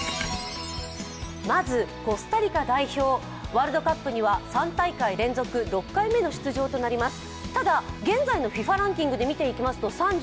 まずコスタリカ代表ワールドカップには３大会連続、６回目の出場となります